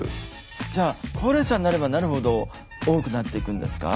じゃあ高齢者になればなるほど多くなっていくんですか？